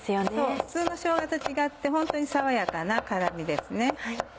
普通のしょうがと違ってホントに爽やかな辛みですね。